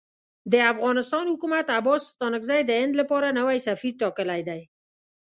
د افغانستان حکومت عباس ستانکزی د هند لپاره نوی سفیر ټاکلی دی.